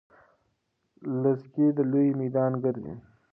لږکي د لوبې میدان ګرځي.